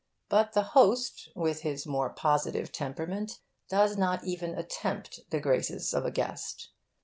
But the host, with his more positive temperament, does not even attempt the graces of a guest.